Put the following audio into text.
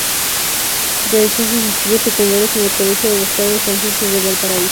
Realizó sus estudios secundarios en el Colegio de los Padres Franceses de Valparaíso.